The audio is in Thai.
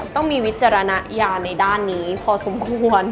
ต้องมีวิจารณญาณในด้านนี้พอสมควร